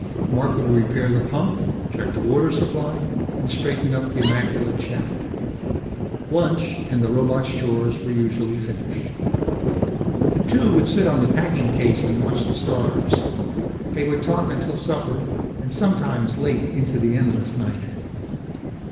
Mark would repair the pump, check the water supply, and straighten up the immaculate shack. Lunch, and the robot's chores were usually finished. The two would sit on the packing case and watch the stars. They would talk until supper, and sometimes late into the endless night.